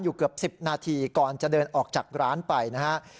เกือบ๑๐นาทีก่อนจะเดินออกจากร้านไปนะฮะ